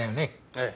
ええ。